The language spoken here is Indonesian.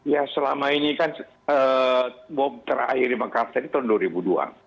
ya selama ini kan terakhir di makassar itu tahun dua ribu dua